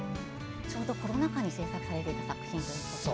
ちょうどコロナ禍に制作された作品で。